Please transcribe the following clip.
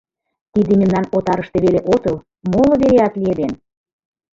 Тиде мемнан отарыште веле отыл, моло вереат лиеден.